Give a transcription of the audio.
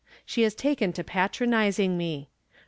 She has taken to patronizing me.